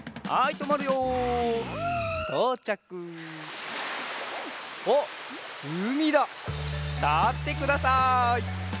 たってください。